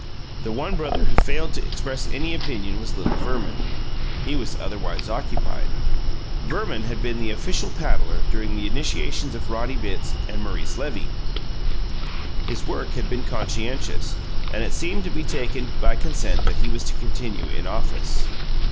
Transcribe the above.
The one brother who failed to express any opinion was little Verman. He was otherwise occupied. Verman had been the official paddler during the initiations of Roddy Bitts and Maurice Levy; his work had been conscientious, and it seemed to be taken by consent that he was to continue in office.